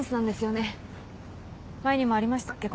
前にもありましたっけ